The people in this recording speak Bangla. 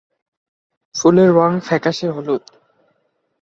ফুলের রং ফ্যাকাসে হলুদ।